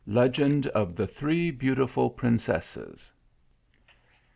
LEGEND OF THE THREE BE A UTIFUL PRINCESSES.